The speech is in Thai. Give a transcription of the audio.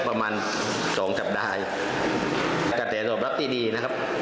ประมาณสองสัปดาห์ตั้งแต่ตอบรับดีดีนะครับ